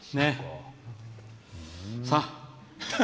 さあ。